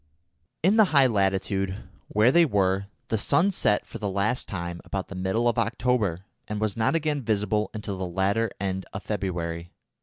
In the high latitude where they were the sun set for the last time about the middle of October, and was not again visible until the latter end of February.